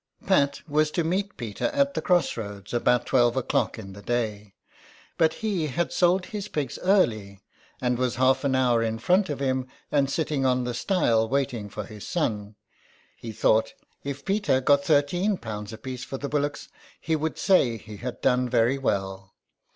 Pat was to meet Peter at the cross roads about twelve o'clock in the day. But he had sold his pigs early, and was half an hour in front of him, and sitting on the stile waiting for his son, he thought if Peter got thirteen pounds apiece for the bullocks he would say he had done very well.